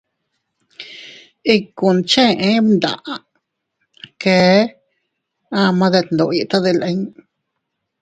Ikkune cheʼe bndaʼa, kee am detndoʼo yiʼi tadilin.